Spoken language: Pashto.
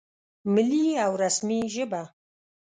ملي او رسمي ژبه